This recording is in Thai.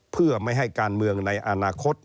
เพื่อไม่ให้การเมืองในอนาคต